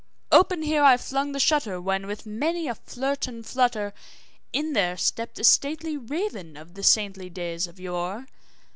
Open here I flung the shutter, when, with many a flirt and flutter, In there stepped a stately raven of the saintly days of yore.